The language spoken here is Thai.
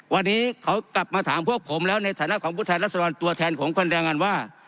วันนี้เขากลับมาถามพวกผมแล้วในฐานะของพุทธภัณฑ์และสลานตัวแทนของคนแรงงานว่า